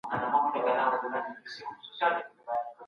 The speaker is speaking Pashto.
ليبرال سياست شخصي آزاديو ته درناوی کوي.